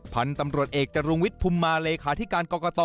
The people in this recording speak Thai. พันธุ์ตำรวจเอกจรุงวิทย์ภุมมาลคกรกต